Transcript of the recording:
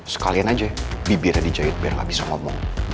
sekalian aja bibirnya di jahit biar gak bisa ngomong